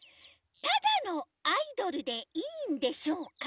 ただのアイドルでいいんでしょうか？